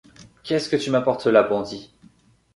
Qu’est-ce que tu m’apportes là, bandit?